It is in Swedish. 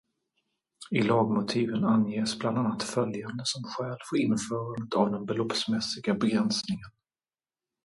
I lagmotiven anges bland annat följande som skäl för införandet av den beloppsmässiga begränsningen.